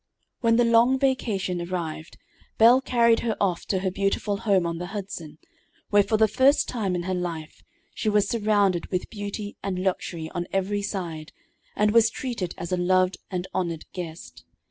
When the long vacation arrived, Belle carried her off to her beautiful home on the Hudson, where for the first time in her life she was surrounded with beauty and luxury on every side, and was treated as a loved and honored guest.